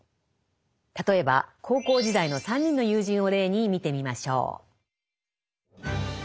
例えば高校時代の３人の友人を例に見てみましょう。